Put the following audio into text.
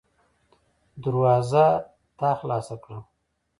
دروازه تا خلاصه کړه.